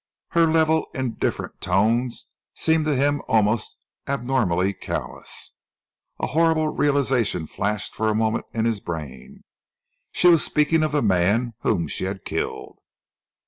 Her level, indifferent tone seemed to him almost abnormally callous. A horrible realisation flashed for a moment in his brain. She was speaking of the man whom she had killed!